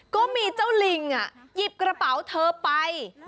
ก็มีเจ้าลิงหยิบกระเป๋าเธอไป